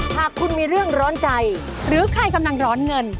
หากคุณมีเรื่องร้อนใจหรือใครกำลังร้อนเงิน